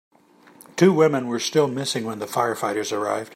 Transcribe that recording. Two women were still missing when the firefighters arrived.